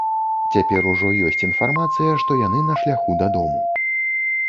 Цяпер ужо ёсць інфармацыя, што яны на шляху дадому.